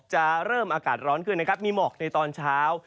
จะเริ่มอากาศร้อนขึ้นนะครับมีหมอกในตอนเช้า